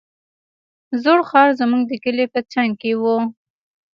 زوړ ښار زموږ د کلي په څنگ کښې و.